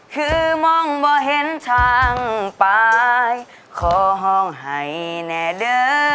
คือมองว่าเห็นทางไปขอร้องหายแน่เด้อ